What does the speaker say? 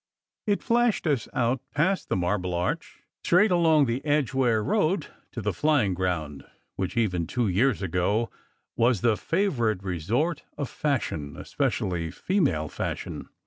It flashed us out past the Marble Arch, straight along the Edgware Road, to the Flying Ground, which, even two years ago, was the favourite resort of fashion, especially female fashion.